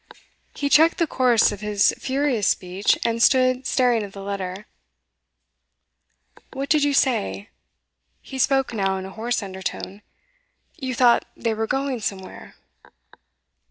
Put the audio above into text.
He checked the course of his furious speech, and stood staring at the letter. 'What did you say?' He spoke now in a hoarse undertone. 'You thought they were going somewhere?